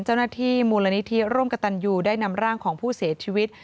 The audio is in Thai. เจ้าหน้าที่มูลนิธิร่วมกับตันยูได้นำร่างของผู้เสียชีวิต